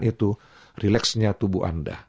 itu rileksnya tubuh anda